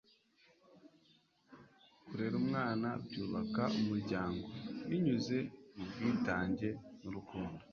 kurera umwana byubaka umuryango binyuze mubwitange nurukundo